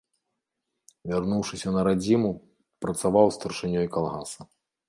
Вярнуўшыся на радзіму, працаваў старшынёй калгаса.